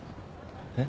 えっ？